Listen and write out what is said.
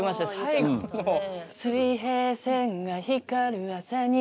「水平線が光る朝に」